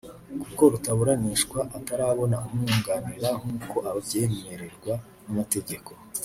kuko rutaburanishwa atarabona umwunganira nk’uko abyemererwa n’amategeko